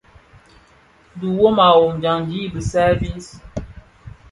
Dhi wom wom dyaňdi i bisal bize.